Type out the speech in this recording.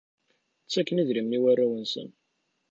Ttaken idrimen i warraw-nsen.